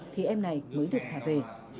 thì em này mới được thả về